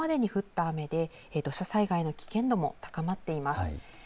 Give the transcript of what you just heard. これまでに降った雨で土砂災害の危険度も高まっています。